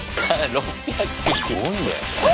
すごいね。